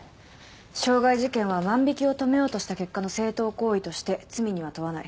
傷害事件は万引を止めようとした結果の正当行為として罪には問わない。